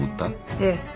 ええ。